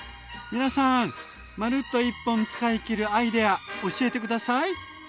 皆さんまるっと１本使い切るアイデア教えて下さい！